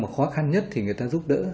mà khó khăn nhất thì người ta giúp đỡ